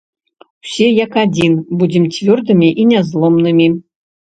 Усе, як адзін, будзем цвёрдымі і нязломнымі!